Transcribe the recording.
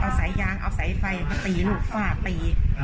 เอาสายยางเอาสายไฟมาตีลูกฝ้าตี